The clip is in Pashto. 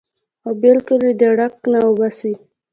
او بالکل ئې د ړق نه اوباسي -